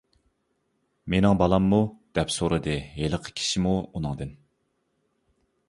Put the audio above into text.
-مېنىڭ بالاممۇ؟ -دەپ سورىدى ھېلىقى كىشىمۇ ئۇنىڭدىن.